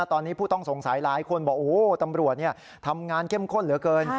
ตอนนี้ผู้ต้องสงสัยหลายคนบอกโอ้โหตำรวจทำงานเข้มข้นเหลือเกิน